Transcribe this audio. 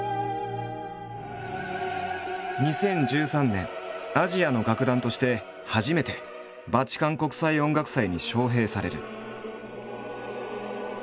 ２０１３年アジアの楽団として初めてバチカン国際音楽祭に招聘される。